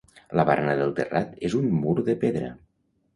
La barana del terrat és un mur de pedra.